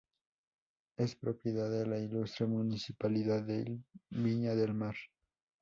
Es propiedad de la Ilustre Municipalidad de Viña del Mar.